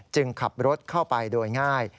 ขับรถเข้าไปโดยง่าย